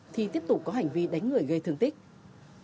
thì tiếp tục có hành vi đánh người gây thương tích